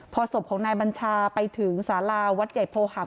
พอศพของนายบัญชาไปถึงสาราวัดใหญ่โพหัก